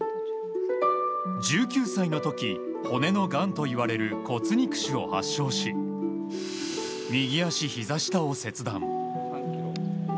１９歳の時、骨のがんといわれる骨肉腫を発症し右足ひざ下を切断。